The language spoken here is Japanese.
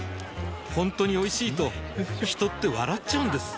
ほんとにおいしいと人って笑っちゃうんです